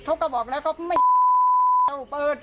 เขาก็บอกแล้วเขาไม่เปิดแล้วจ่ายไหมคะจ่ายค่ะเพราะว่ากิน